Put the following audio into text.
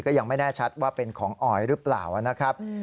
ก็ยังไม่แน่ชัดว่าเป็นของออยหรือเปล่านะครับ